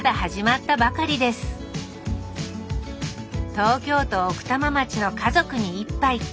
東京都奥多摩町の「家族に一杯」